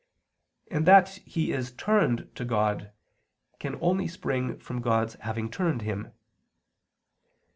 And that they are "turned" to God can only spring from God's having "turned" them.